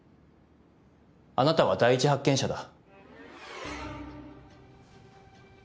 あなたは第一発見者だ。